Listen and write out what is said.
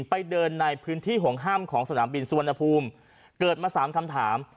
ไปเดินในพื้นที่ห่วงห้ามของสนามบินสุวรรณภูมิเกิดมาสามคำถาม